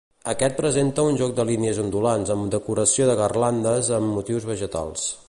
Aquest presenta un joc de línies ondulants amb decoració de garlandes amb motius vegetals.